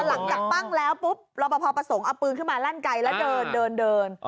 หลังกับปั้งแล้วปุ๊บรอบภประสงค์เอาปืนขึ้นมาลั่นไก่และเดิน